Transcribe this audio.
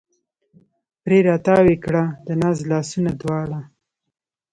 پرې را تاو یې کړه د ناز لاسونه دواړه